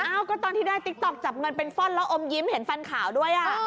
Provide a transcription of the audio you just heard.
ก็ตอนที่ได้ติ๊กต๊อกจับเงินเป็นฟ่อนแล้วอมยิ้มเห็นฟันขาวด้วยอ่ะ